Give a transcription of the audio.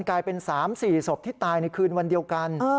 กลายเป็น๓๔ศพที่ตายในคืนวันเดียวกัน